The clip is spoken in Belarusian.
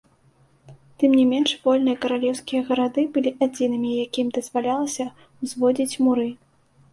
Тым не менш, вольныя каралеўскія гарады былі адзінымі, якім дазвалялася ўзводзіць муры.